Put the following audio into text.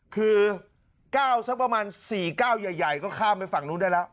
ก้าว๓๔ก้าวใหญ่ก็ข้ามไปฝั่งนู้นได้แล้ว